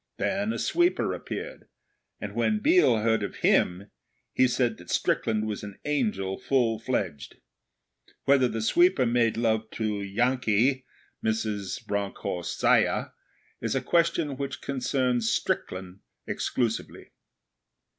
Then a sweeper appeared, and when Biel heard of him, he said that Strickland was an angel full fledged. Whether the sweeper made love to Janki, Mrs. Bronckhorst's ayah, is a question which concerns Strickland exclusively.